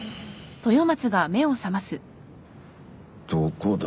どこだ？